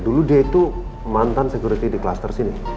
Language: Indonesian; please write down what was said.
dulu dia tuh mantan security di klaster sini